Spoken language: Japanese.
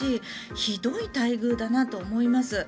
ひどい待遇だなと思います。